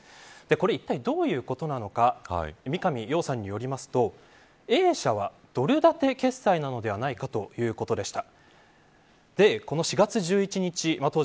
これは一体どういうことなのか三上洋さんによりますとＡ社はドル建て決済なのではないかということでした。